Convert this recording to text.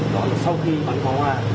đó là sau khi bắn phó hoa